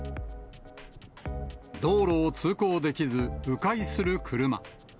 道路を通行できず、う回する車。